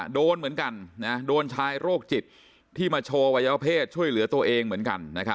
โดนเหมือนกันโดนชายโรคจิตที่มาโชว์วัยวเพศช่วยเหลือตัวเองเหมือนกัน